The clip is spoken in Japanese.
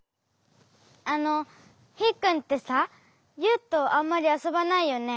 あのヒーくんってさユウとあんまりあそばないよね？